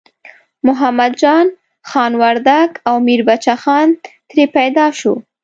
محمد جان خان وردګ او میربچه خان ترې پیدا شو.